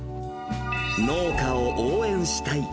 農家を応援したい。